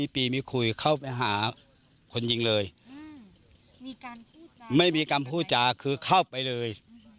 ปีมีคุยเข้าไปหาคนยิงเลยไม่มีคำพูดจาคือเข้าไปเลย